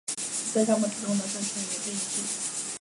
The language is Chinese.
在沙漠之中的甘泉也被饮尽